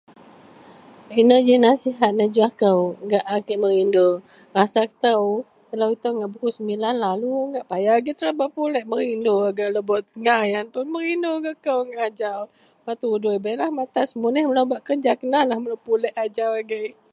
Ino ji nasihat nejuwah kou gak a kek merindu, rasa kou telo ito ngak pukul semilan lalu ngak paya agei telo bak pulek, merindu a gak Lebok ngayan puon merindu gak kou ngak ajau bak tudoi beilah maka semuneh melo bak kerja kenakah melo bak pulek ajau agei.